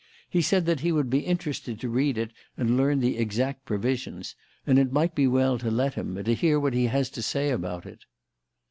"He said that he would be interested to read it and learn the exact provisions; and it might be well to let him, and hear what he has to say about it."